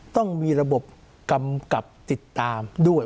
ต้องมีระบบกำกับติดตามด้วย